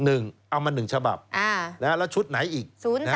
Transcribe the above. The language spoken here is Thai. เอามา๑ฉบับแล้วชุดไหนอีก